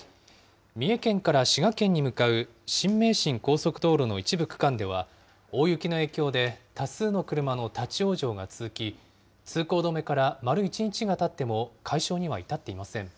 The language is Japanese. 三重県から滋賀県に向かう新名神高速道路の一部区間では、大雪の影響で多数の車の立往生が続き、通行止めから丸１日がたっても解消には至っていません。